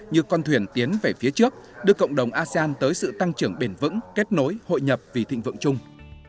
như con thuyền tiến về phía trước đưa cộng đồng asean tới sự tăng trưởng bền vững kết nối hội nhập vì thịnh vượng chung